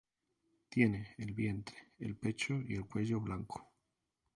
Tiene el vientre, el pecho y el cuello blanco.